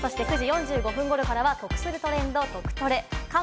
９時４５分頃からは得するトレンド、トクトレ。